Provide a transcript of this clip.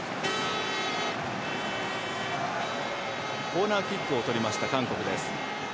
コーナーキックをとりました韓国です。